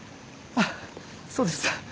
あっそうですか。